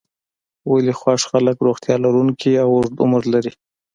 ولې خوښ خلک روغتیا لرونکی او اوږد عمر لري.